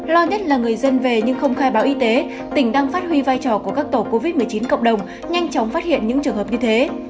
lo nhất là người dân về nhưng không khai báo y tế tỉnh đang phát huy vai trò của các tổ covid một mươi chín cộng đồng nhanh chóng phát hiện những trường hợp như thế